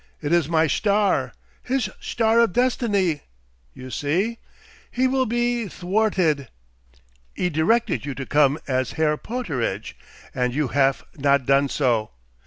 It is my schtar!' His schtar of Destiny! You see? He will be dthwarted. He directed you to come as Herr Pooterage, and you haf not done so.